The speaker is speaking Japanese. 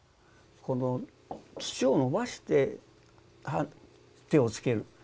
この土を伸ばして手を付ける。